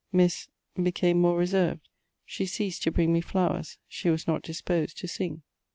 Miss became more reserved ; she ceased to bring me flowers ; she was not disposed to sing.